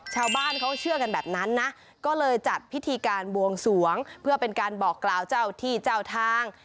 ชาวบ้านเขาเชื่อกันแบบนั้นนะก็เลยจัดพิธีการบวงสวงเพื่อเป็นการบอกกล่าวเจ้าที่เจ้าทาง